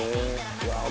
うわ